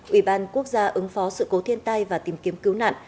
ủy ban quốc gia ứng phó sự cố thiên tai và tìm kiếm cứu nạn